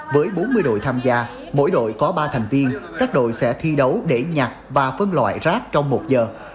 với bốn mươi đội tham gia mỗi đội có ba thành viên các đội sẽ thi đấu để nhặt và phân loại rác trong một giờ